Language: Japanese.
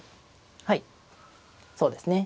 はいそうですね。